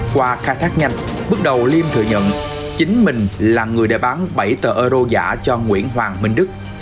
qua khai thác nhanh bước đầu liêm thừa nhận chính mình là người đã bán bảy tờ euro giả cho nguyễn hoàng minh đức